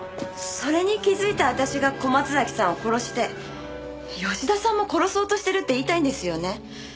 それに気づいた私が小松崎さんを殺して吉田さんも殺そうとしてるって言いたいんですよね？